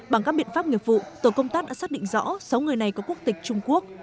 bằng các biện pháp nghiệp vụ tổ công tác đã xác định rõ sáu người này có quốc tịch trung quốc